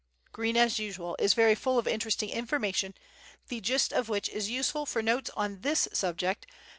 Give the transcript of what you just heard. Green, as usual, is very full of interesting information, the gist of which is useful for notes on this subject, pp.